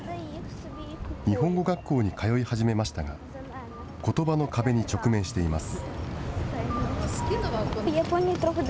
日本語学校に通い始めましたが、ことばの壁に直面しています。